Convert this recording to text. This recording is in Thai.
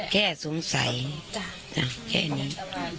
แค่สงสัยนะแค่อันนี้